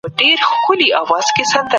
استقامت د انسان د روحاني ځواک اساس دی.